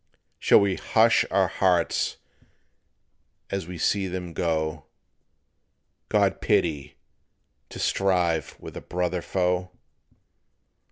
"Shall we hush our hearts as we see them go God pity! to strive with a brother foe?